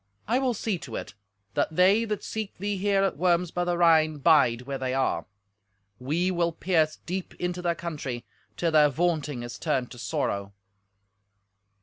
I will see to it, that they that seek thee here at Worms by the Rhine bide where they are; we will pierce deep into their country, till their vaunting is turned to sorrow."